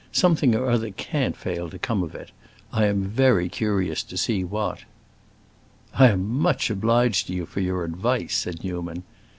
Something or other can't fail to come of it; I am very curious to see what." "I am much obliged to you for your advice," said Newman.